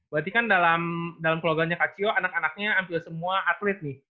berarti kan dalam keluarganya kak cio anak anaknya hampir semua atlet nih